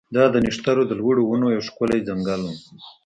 دا د نښترو د لوړو ونو یو ښکلی ځنګل و